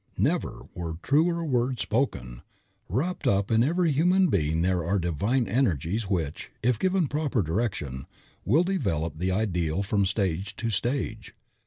Never were truer words spoken. Wrapped up in every human being there are divine energies which, if given proper direction, will develop the ideal from stage to stage.